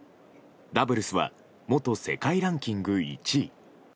ダブルスは元世界ランキング１位。